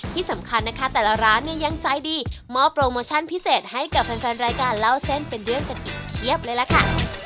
ที่สำคัญนะคะแต่ละร้านเนี่ยยังใจดีมอบโปรโมชั่นพิเศษให้กับแฟนรายการเล่าเส้นเป็นเรื่องกันอีกเพียบเลยล่ะค่ะ